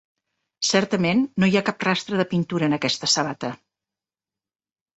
Certament no hi ha cap rastre de pintura en aquesta sabata.